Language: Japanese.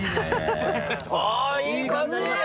ああいい感じ！